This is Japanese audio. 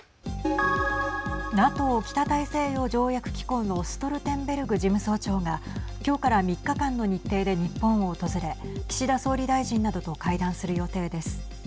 ＮＡＴＯ＝北大西洋条約機構のストルテンベルグ事務総長が今日から３日間の日程で日本を訪れ岸田総理大臣などと会談する予定です。